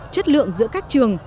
chất lượng giữa các trường